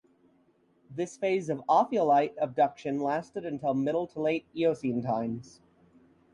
This phase of ophiolite obduction lasted until Middle to Late Eocene times.